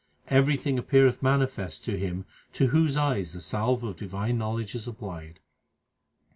Everything appeareth manifest to him to whose eyes the salve of divine knowledge is applied.